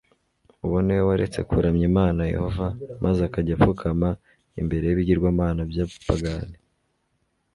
uwo ni we waretse kuramya imana yehova maze akajya apfukama imbere y'ibigirwamana by'abapagani